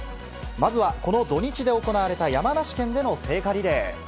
まずはこの土日で行われた山梨県での聖火リレー。